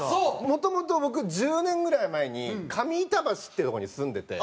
もともと僕１０年ぐらい前に上板橋ってとこに住んでて。